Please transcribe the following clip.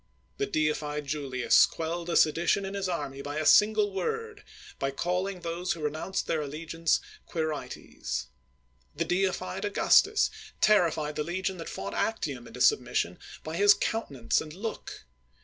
The deified Julius quelled a sedi tion in his army by a single word — by calling those who renounced their allegiance Quirites." The deified Augustus terrified the legion that fought Actium into submission by his counte nance and look.